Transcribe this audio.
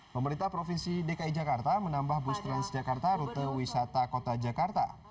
pemerintah provinsi dki jakarta menambah bus transjakarta rute wisata kota jakarta